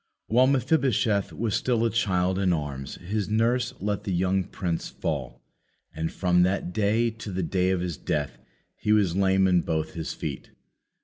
While Mephibosheth was still a child in arms, his nurse let the young prince fall, and from that day to the day of his death he was lame in both his feet.